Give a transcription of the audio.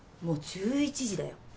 もう１１時だよ。